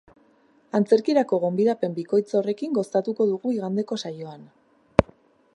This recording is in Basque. Antzerkirako gonbidapen bikoitz horrekin gozatuko dugu igandeko saioan.